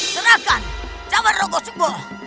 serahkan cawar rogo subo